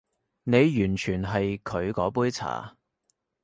你完全係佢嗰杯茶